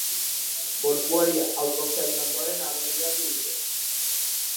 Gorpuari autopsia egin ondoren aberriratu dute.